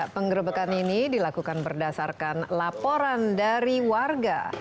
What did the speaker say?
penggerebekan ini dilakukan berdasarkan laporan dari warga